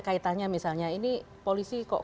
kaitannya misalnya ini polisi kok